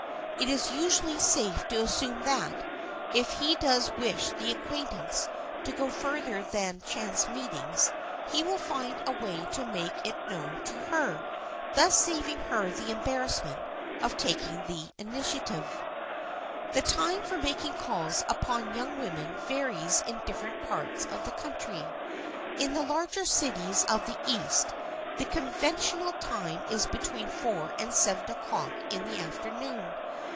It is usually safe to assume that, if he does wish the acquaintance to go further than chance meetings, he will find a way to make it known to her, thus saving her the embarrassment of taking the initiative. [Sidenote: THE LENGTH OF A CALL] The time for making calls upon young women varies in different parts of the country. In the larger cities of the East the conventional time is between four and seven o'clock in the afternoon.